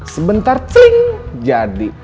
sebentar cing jadi